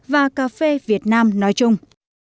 và cà phê việt nam nói chung